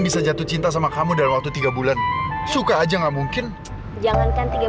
bisa jatuh cinta sama kamu dalam waktu tiga bulan suka aja nggak mungkin jangankan tiga